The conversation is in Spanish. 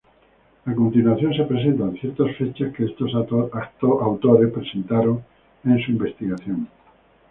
A continuación se presentan ciertas fechas que estos autores presentaron en su investigación.